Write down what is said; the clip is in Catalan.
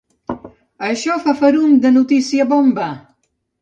Això fa ferum de notícia bomba!